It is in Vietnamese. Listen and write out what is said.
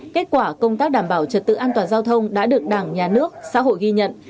kết quả công tác đảm bảo trật tự an toàn giao thông đã được đảng nhà nước xã hội ghi nhận